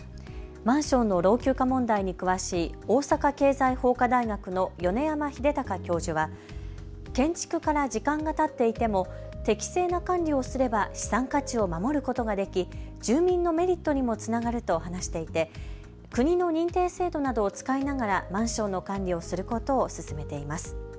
マンションの老朽化問題に詳しい大阪経済法科大学の米山秀隆教授は建築から時間がたっていても適正な管理をすれば資産価値を守ることができ住民のメリットにもつながると話していて国の認定制度などを使いながらマンションの管理をすることを勧めています。